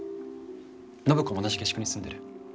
暢子も同じ下宿に住んでる。